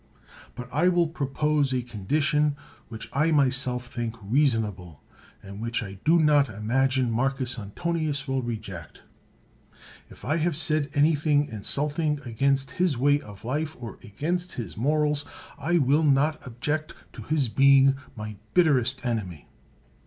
But I will propose a condition which I myself think reasonable, and which I do not imagine Marcus Antonius will reject. If I have said anything insulting against his way of life or against his morals, I will not object to his being my bitterest enemy.